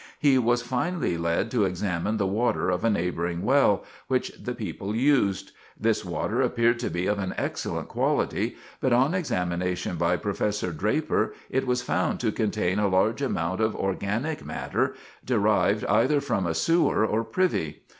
He was finally led to examine the water of a neighboring well, which the people used. This water appeared to be of an excellent quality, but on examination by Prof. Draper, it was found to contain a large amount of organic matter, derived either from a sewer or privy.